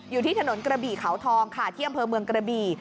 อยู่ที่ถนนกระบี่เขาทองค่ะที่อำเภอเมืองกระบี่